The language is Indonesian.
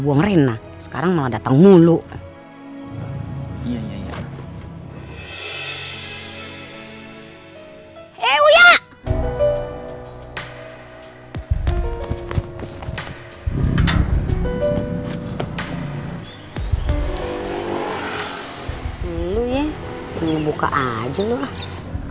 bilang rena sekarang mau datang mulu iya iya iya hai hai hai hai hewa lu ya ini buka aja loh